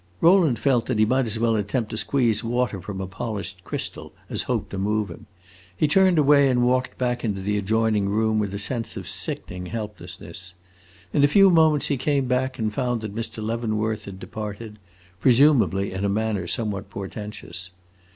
Rowland felt that he might as well attempt to squeeze water from a polished crystal as hope to move him. He turned away and walked into the adjoining room with a sense of sickening helplessness. In a few moments he came back and found that Mr. Leavenworth had departed presumably in a manner somewhat portentous.